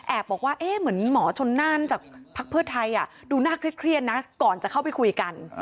แอบบอกว่าเอ๊ะเหมือนหมอชนนั่นจากพรพเทศไทยดูน่าเครียดนะก่อนจะเข้าไปคุยกัน